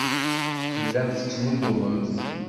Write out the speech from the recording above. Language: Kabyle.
Tellamt tettnuddumemt.